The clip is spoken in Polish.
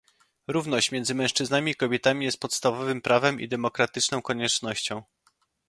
Równość między mężczyznami i kobietami jest podstawowym prawem i demokratyczną koniecznością